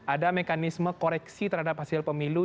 ada mekanisme koreksi terhadap hasil pemilu